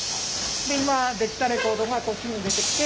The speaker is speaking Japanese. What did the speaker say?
で今出来たレコードがこっちに出てきて。